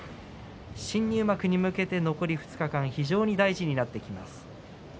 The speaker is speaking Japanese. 新入幕に向けて残り２日間非常に大事になってきます。